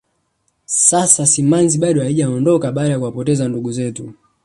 sasa simanzi bado haijaondoka baada ya kuwapoteza ndugu zetu